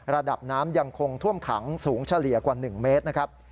ระดับน้ำยังคงท่วมขังสูงเฉลี่ยกว่า๑เมตรนะครับ